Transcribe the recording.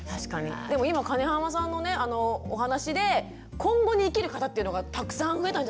でも今金濱さんのお話で今後に生きる方っていうのがたくさん増えたんじゃないかなと。